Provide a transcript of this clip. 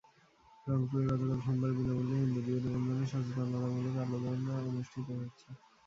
রংপুরে গতকাল সোমবার বিনা মূল্যে হিন্দু বিয়ে নিবন্ধনে সচেতনতামূলক আলোচনা অনুষ্ঠিত হয়েছে।